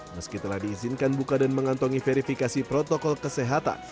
meskitalah diizinkan buka dan mengantongi verifikasi protokol kesehatan